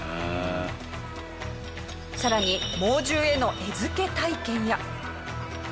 さらに猛獣への餌付け体験や。